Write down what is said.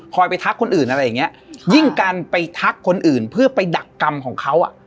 ไปทักคนอื่นอะไรอย่างเงี้ยยิ่งการไปทักคนอื่นเพื่อไปดักกรรมของเขาอ่ะ